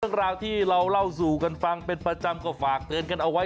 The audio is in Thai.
เรื่องราวที่เราเล่าสู่กันฟังเป็นประจำก็ฝากเตือนกันเอาไว้